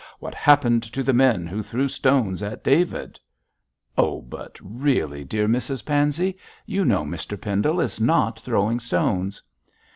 What happened to the men who threw stones at David?' 'Oh, but really, dear Mrs Pansey, you know Mr Pendle is not throwing stones.'